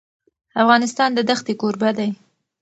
افغانستان د دښتې کوربه دی.